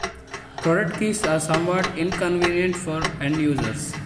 Product keys are somewhat inconvenient for end users.